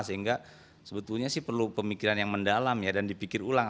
sehingga sebetulnya perlu pemikiran yang mendalam dan dipikir ulang